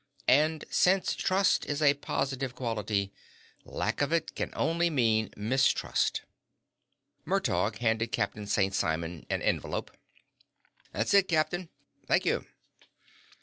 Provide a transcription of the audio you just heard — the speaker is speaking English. And since trust is a positive quality, lack of it can only mean mistrust. Murtaugh handed Captain St. Simon an envelope. "That's it, captain. Thank you."